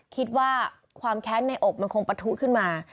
คิดว่าความแค้นในอกมันคงปะทุขึ้นมา